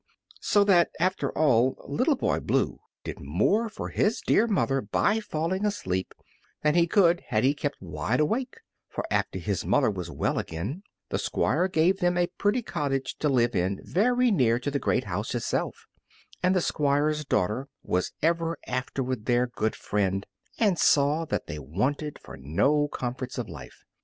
So that after all Little Boy Blue did more for his dear mother by falling asleep than he could had he kept wide awake; for after his mother was well again the Squire gave them a pretty cottage to live in very near to the great house itself, and the Squire's daughter was ever afterward their good friend, and saw that they wanted for no comforts of life.